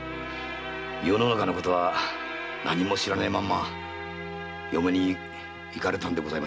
世の中のことは何も知らないまま嫁にいかれたんでございましょう。